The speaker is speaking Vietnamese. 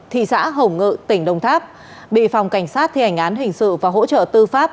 thị xã hồng ngự tỉnh đông tháp bị phòng cảnh sát thi hành án hình sự và hỗ trợ tư pháp